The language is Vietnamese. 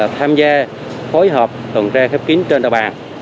tham gia phối hợp tuần tra khắp kính trên đoàn bàn